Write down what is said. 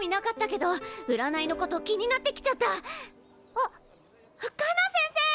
あっカナ先生！